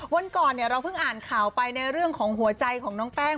วันก่อนเราเพิ่งอ่านข่าวไปในเรื่องของหัวใจของน้องแป้ง